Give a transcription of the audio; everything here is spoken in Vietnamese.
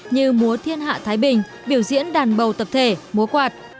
như múa thiên hạ thái bình biểu diễn đàn bầu tập thể múa quạt